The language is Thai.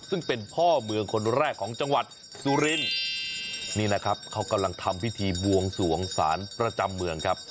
ซึ่งเป็นพ่อเมืองคนแรกของจังหวัดสุรินนี่นะครับเขากำลังทำพิธีบวงสวงศาลประจำเมืองครับ